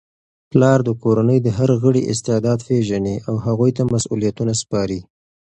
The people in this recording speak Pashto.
پلار د کورنی د هر غړي استعداد پیژني او هغوی ته مسؤلیتونه سپاري.